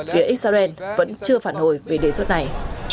phía israel vẫn chưa phản hồi về đề xuất này